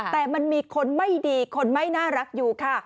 แต่มันมีคนไม่ดีคนไม่น่ารักอยู่ค่ะ